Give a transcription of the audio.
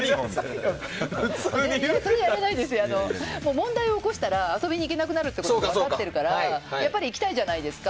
問題を起こしたら遊びに行けなくなることが分かってるからやっぱり行きたいじゃないですか。